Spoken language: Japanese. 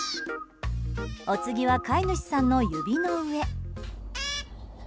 お次は飼い主さんの指の上。